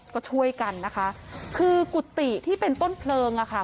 ก็ช่วยกันนะคะคือกุฏิที่เป็นต้นเพลิงอ่ะค่ะ